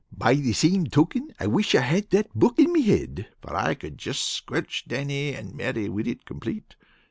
By the same token, I wish I had that book in me head, for I could just squelch Dannie and Mary with it complate.